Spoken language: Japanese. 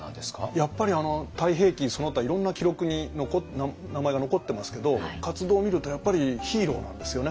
やっぱり「太平記」その他いろんな記録に名前が残ってますけど活動を見るとやっぱりヒーローなんですよね。